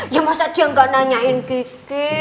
ya masa dia nggak nanyain kiki